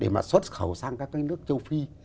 để mà xuất khẩu sang các cái nước châu phi